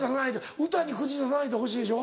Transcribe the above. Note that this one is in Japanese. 歌に口出さないでほしいでしょ？